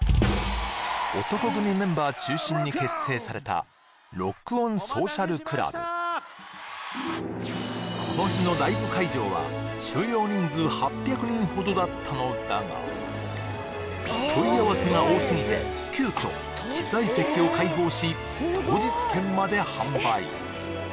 男闘呼組メンバー中心に結成されたこの日のライブ会場はほどだったのだが問い合わせが多すぎて急きょ機材席を解放し当日券まで販売